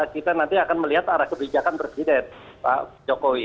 kita nanti akan melihat arah kebijakan presiden pak jokowi